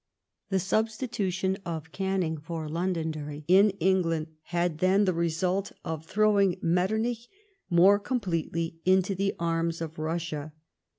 The substitution of Canning for Londonderry in England had then the result of throwing Mettcrnich more completely into the arms of Russia.